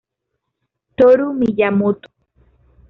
Toru Miyamoto